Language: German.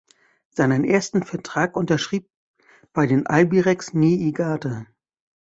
Seinen ersten Vertrag unterschrieb bei den Albirex Niigata.